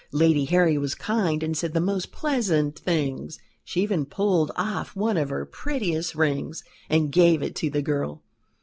Lady Harry was kind, and said the most pleasant things; she even pulled off one of her prettiest rings and gave it to the girl.